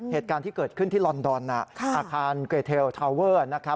เหตุการณ์ที่เกิดขึ้นที่ลอนดอนอาคารเกรเทลทาเวอร์